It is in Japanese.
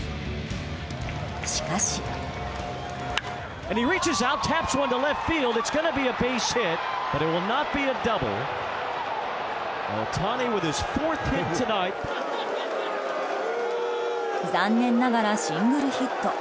しかし。残念ながらシングルヒット。